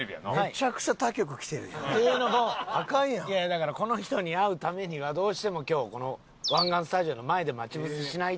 だからこの人に会うためにはどうしても今日この湾岸スタジオの前で待ち伏せしないと。